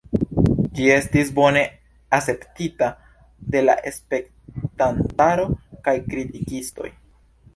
Ĝi estis bone akceptita de la spektantaro kaj kritikistoj.